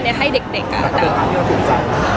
ก็เป็นภาพที่เราถูกใจ